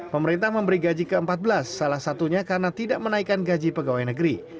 pemerintah memberi gaji ke empat belas salah satunya karena tidak menaikkan gaji pegawai negeri